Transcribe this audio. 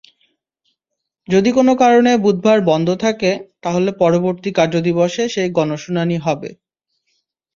যদি কোনো কারণে বুধবার বন্ধ থাকে, তাহলে পরবর্তী কার্যদিবসে সেই গণশুনানি হবে।